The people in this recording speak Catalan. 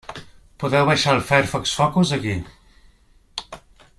Podeu baixar el Firefox Focus aquí.